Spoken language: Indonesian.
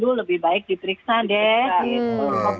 duh lebih baik diperiksa deh